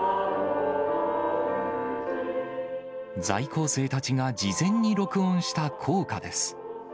在校生たちが事前に録音した校歌です。